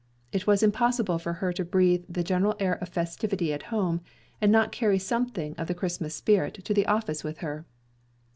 It was impossible for her to breathe the general air of festivity at home, and not carry something of the Christmas spirit to the office with her.